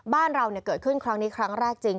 บ้านเราเกิดขึ้นครั้งนี้ครั้งแรกจริง